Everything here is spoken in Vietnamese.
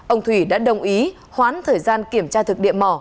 ông thủy đã đồng ý khoán thời gian kiểm tra thực địa mỏ